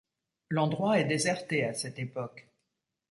L'endroit est déserté à cette époque.